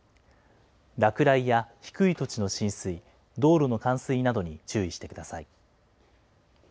落雷や低い土地の浸水、道路の冠水などに注意してください。